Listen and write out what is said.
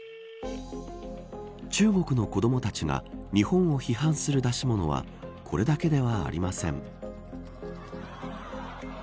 中国の子どもたちが日本を批判する出し物はこれだけではありません。